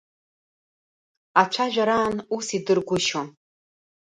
Ацәажәараан ус идыргәышьон.